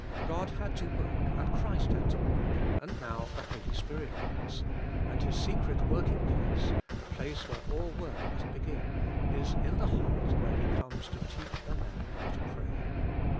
God had to work and Christ had to work, and now the Holy Spirit works, and His secret working place, the place where all work must be gin, is in the heart v/here He comes to teach a man how to pray.